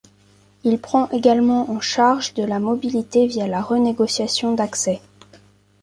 Il prend également en charge de la mobilité via la renégociation d'accès.